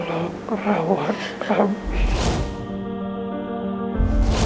jangan sampai tak